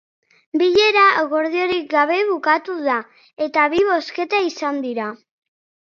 Bilera akordiorik gabe bukatu da, eta bi bozketa izan dira.